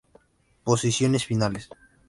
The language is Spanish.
Posiciones finales.